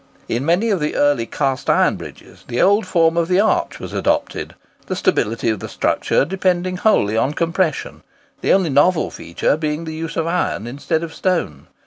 In many of the early cast iron bridges the old form of the arch was adopted, the stability of the structure depending wholly on compression, the only novel feature being the use of iron instead of stone.